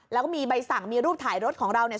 แล้วก็มีใบสั่งมีรูปถ่ายรถของเราเนี่ย